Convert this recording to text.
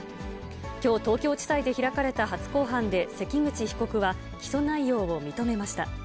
きょう、東京地裁で開かれた初公判で関口被告は、起訴内容を認めました。